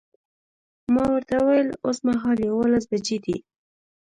ما ورته وویل اوسمهال یوولس بجې دي.